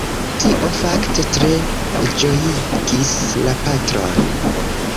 Tio fakte tre ĝojigis la patron.